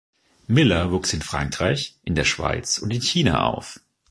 Miller wuchs in Frankreich, in der Schweiz und in China auf.